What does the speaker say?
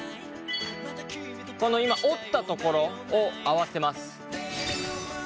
この今折った所を合わせます。